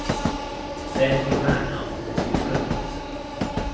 Then he ran after the two criminals.